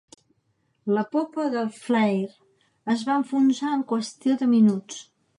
La popa del "Flare" es va enfonsar en qüestió de minuts.